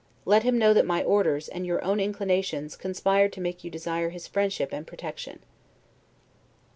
Let him know that my orders, and your own inclinations, conspired to make you desire his friendship and protection.